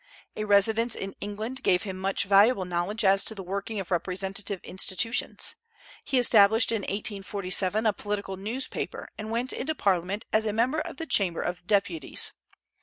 A residence in England gave him much valuable knowledge as to the working of representative institutions. He established in 1847 a political newspaper, and went into parliament as a member of the Chamber of Deputies.